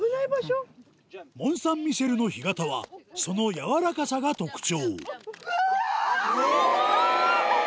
モン・サン・ミシェルの干潟はそのやわらかさが特徴うわぁ！